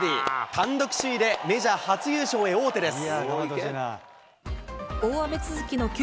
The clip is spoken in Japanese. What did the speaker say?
単独首位で、メジャー初優勝へ王手です。